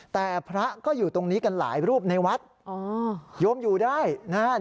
แต่พระก็อยู่ตรงนี้กันหลายรูปในวัด